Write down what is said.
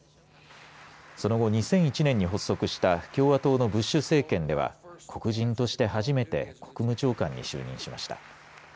その後２００１年に発足した共和党のブッシュ政権では黒人として初めて国務長官に就任しました。